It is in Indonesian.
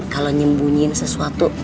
kalau nyembunyiin sesuatu